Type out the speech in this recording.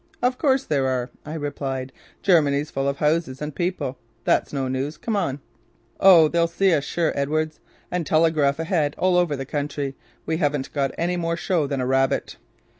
"Of course there are," I replied: "Germany's full of houses and people. That's no news. Come on." "Oh! They'll see us sure, Edwards and telegraph ahead all over the country. We haven't got any more show than a rabbit."